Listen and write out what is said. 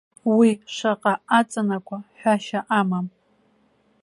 Уи шаҟа аҵанакуа ҳәашьа амам.